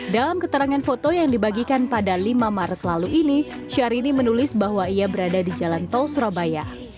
dalam keterangan foto yang dibagikan pada lima maret lalu ini syahrini menulis bahwa ia berada di jalan tol surabaya